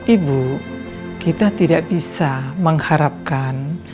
ibu kita tidak bisa mengharapkan